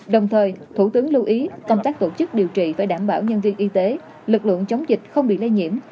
đồng thời thủ tướng lưu ý công tác tổ chức điều trị phải đảm bảo nhân viên y tế lực lượng chống dịch không bị lây nhiễm